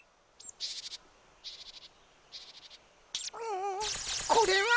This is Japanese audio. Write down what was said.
うんこれは。